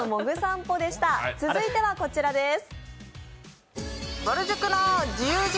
続いてはこちらです。